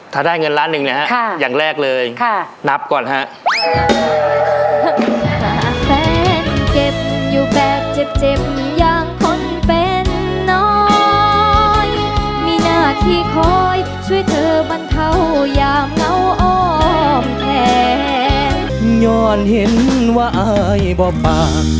ถ้าได้เงินล้านหนึ่งนะฮะอย่างแรกเลยนับก่อนฮะ